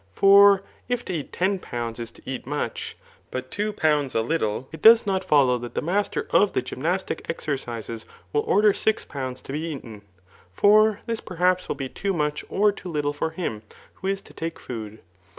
For if to eat ten pounds^ is todat nluch, but two pounds ;& litde,'it does not follow that the master of the gymiia8« tic exercises will order six pounds to be eaten } ior fbk perhaps will be too much or too litde for himr wb^ is to take food.